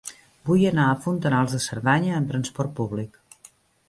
Vull anar a Fontanals de Cerdanya amb trasport públic.